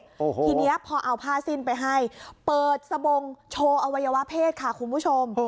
โอ้โหทีนี้พอเอาผ้าสิ้นไปให้เปิดสบงโชว์อวัยวะเพศค่ะคุณผู้ชม